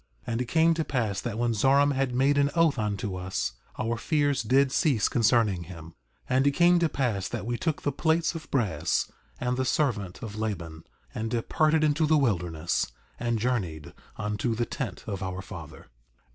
4:37 And it came to pass that when Zoram had made an oath unto us, our fears did cease concerning him. 4:38 And it came to pass that we took the plates of brass and the servant of Laban, and departed into the wilderness, and journeyed unto the tent of our father.